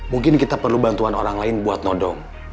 mungkin kita perlu bantuan orang lain buat nodong